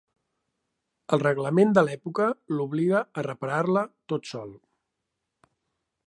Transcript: El reglament de l'època l'obliga a reparar-la tot sol.